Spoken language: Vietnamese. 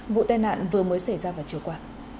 vụ tai nạn vừa mới xảy ra vào chiều qua